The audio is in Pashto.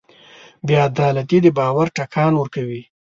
بېعدالتي د باور ټکان ورکوي.